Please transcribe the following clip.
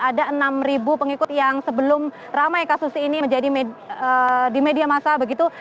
ada enam pengikut yang sebelum ramai kasus ini menjadi di media masa begitu